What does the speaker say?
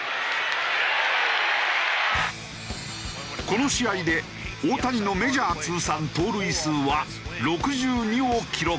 この試合で大谷のメジャー通算盗塁数は６２を記録。